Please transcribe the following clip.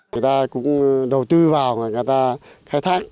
người ta cũng đầu tư vào và người ta khai thác